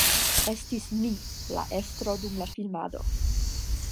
Estis "mi" la estro dum la filmado.